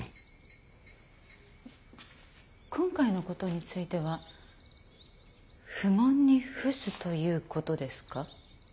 今回のことについては不問に付すということですか？